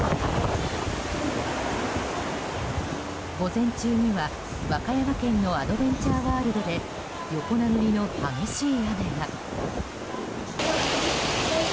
午前中には和歌山県のアドベンチャーワールドで横殴りの激しい雨が。